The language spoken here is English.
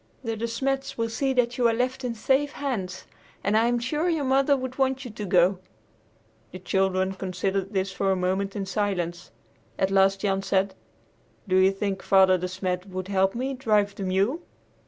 The De Smets will see that you are left in safe hands, and I'm sure your mother would want you to go." The children considered this for a moment in silence. At last Jan said, "Do you think Father De Smet would let me help drive the mule?"